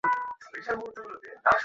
তিনি ছিলেন একেবারে শীর্ণকায়।